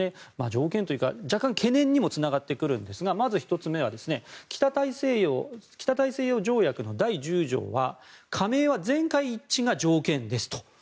条件というか若干、懸念にもつながってくるんですがまず１つ目北大西洋条約の第１０条は加盟は全会一致が条件ですと。